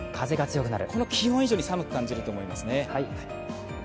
この気温以上に寒く感じると思いますね。